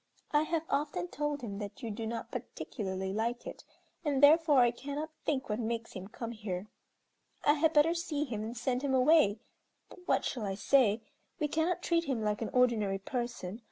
I have often told him that you do not particularly like it, and therefore I cannot think what makes him come here. I had better see him and send him away, but what shall I say. We cannot treat him like an ordinary person.